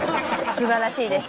すばらしいです。